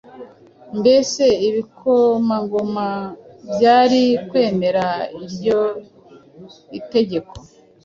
Mbese ibikomangoma byari kwemera iryo itegeko?